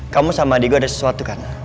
kamu sama digo ada sesuatu kan